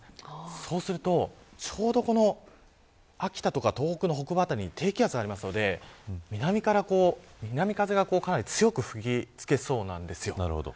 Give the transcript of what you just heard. そうすると、ちょうど秋田とか東北の北部辺りに低気圧がありますので南風がかなり強く吹きつけそうなんです。